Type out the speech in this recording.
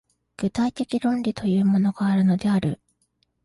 具体的論理というものがあるのである。